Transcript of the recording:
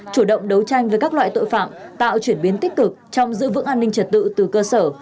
chủ động đấu tranh với các loại tội phạm tạo chuyển biến tích cực trong giữ vững an ninh trật tự từ cơ sở